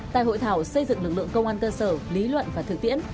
tại hội thảo xây dựng lực lượng công an cơ sở lý luận và thực tiễn